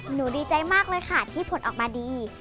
ดีใจมากเลยค่ะที่ผลออกมาดี